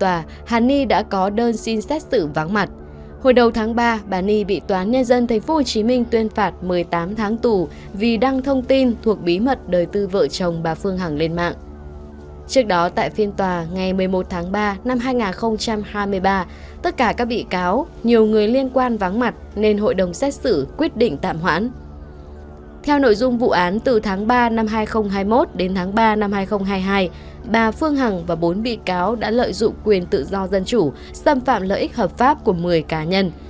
từ tháng ba năm hai nghìn hai mươi hai bà phương hằng và bốn bị cáo đã lợi dụng quyền tự do dân chủ xâm phạm lợi ích hợp pháp của một mươi cá nhân